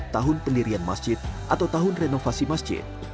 tahun pendirian masjid atau tahun renovasi masjid